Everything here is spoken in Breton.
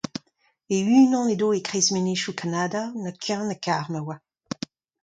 E unan edo e kreiz menezioù Kanada, na kuñv na kar ma oa.